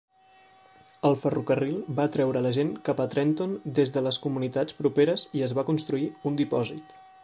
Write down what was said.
El ferrocarril va atreure la gent cap a Trenton des de les comunitats properes i es va construir un dipòsit.